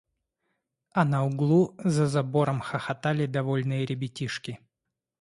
А на углу за забором хохотали довольные ребятишки.